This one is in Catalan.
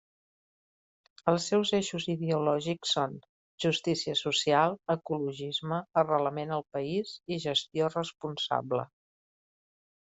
Els seus eixos ideològics són: justícia social, ecologisme, arrelament al país i gestió responsable.